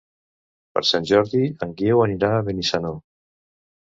Per Sant Jordi en Guiu anirà a Benissanó.